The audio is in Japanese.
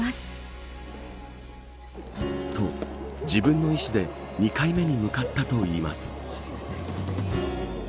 と、自分の意思で２回目に向かったといいます。